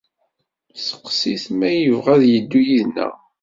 Seqsi-t ma yebɣa ad yeddu yid-neɣ.